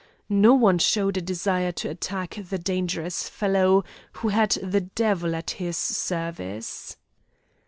No one showed a desire to attack the dangerous fellow who had the devil at his service.